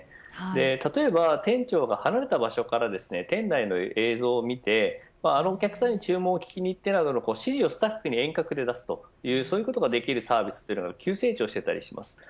例えば、店長が離れた場所から店内の映像を見てあのお客さんに注文を聞きに行ってなどの指示を遠隔でスタッフに出すサービスが急成長してたりします。